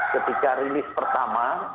ketika rilis pertama